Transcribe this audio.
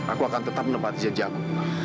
aku akan tetap menepati janji aku